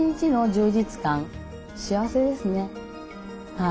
幸せですねはい。